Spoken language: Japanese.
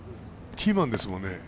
キーマンですもんね。